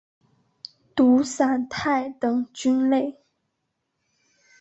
毒伞肽等菌类。